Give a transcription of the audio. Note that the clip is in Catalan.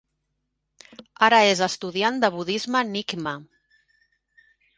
Ara és estudiant de budisme Nyingma.